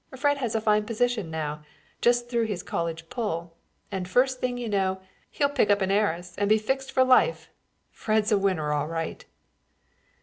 Fred has a fine position now, just through his college pull, and first thing you know, he'll pick up an heiress and be fixed for life. Fred's a winner all right."